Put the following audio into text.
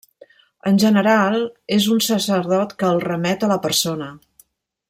En general, és un sacerdot que el remet a la persona.